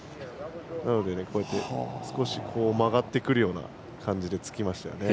なので、少し曲がってくるような感じでつきましたよね。